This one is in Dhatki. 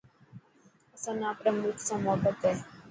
اسان نا آپري ملڪ سان محبت هي.